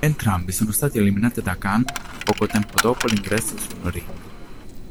Entrambi sono stati eliminati da Kane poco tempo dopo l'ingresso sul ring.